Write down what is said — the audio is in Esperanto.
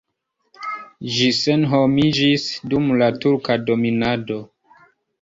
Ĝi senhomiĝis dum la turka dominado.